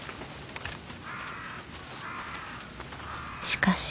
しかし。